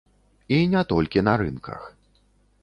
І не толькі на рынках.